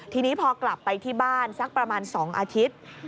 ทีนี้พอกลับไปที่บ้านสักประมาณ๒อาทิตย์